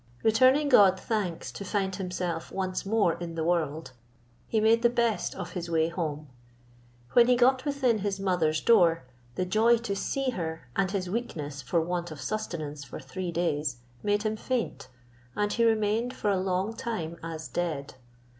Returning God thanks to find himself once more in the world, he made the best of his way home. When he got within his mother's door, the joy to see her and his weakness for want of sustenance for three days made him faint, and he remained for a long time as dead.